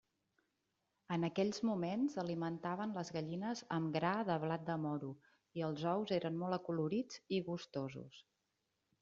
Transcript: En aquells moments alimentaven les gallines amb gra de blat de moro, i els ous eren molt acolorits i gustosos.